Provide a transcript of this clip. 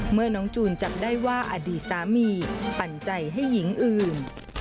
เมื่อน้องจูนจับได้ว่าอดีตสามีปั่นใจให้หญิงอื่น